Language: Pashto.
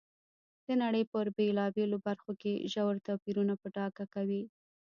د نړۍ په بېلابېلو برخو کې ژور توپیرونه په ډاګه کوي.